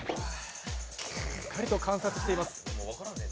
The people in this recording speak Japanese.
しっかりと観察しています。